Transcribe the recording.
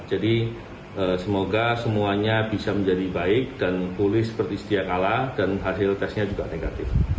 jadi semoga semuanya bisa menjadi baik dan pulih seperti setiap ala dan hasil tesnya juga negatif